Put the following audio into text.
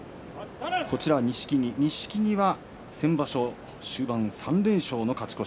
錦木は先場所終盤３連勝の勝ち越し。